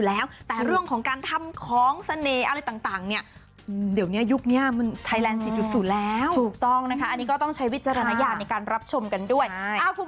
แต่ทั้งนั้นคนในวงการบันเทิงเขาก็สัตว์ธาบูชา